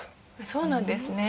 そうなんですね。